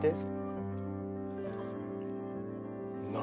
何？